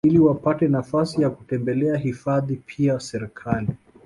iliwapate nafasi ya kutembelea hifadhi Pia Serekali